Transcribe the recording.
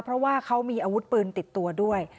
เพราะว่าเขามีอาวุธปืนติดตัวด้วย